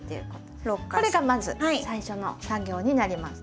これがまず最初の作業になります。